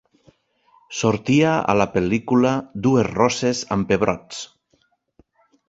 Sortia a la pel·lícula "Dues rosses amb pebrots".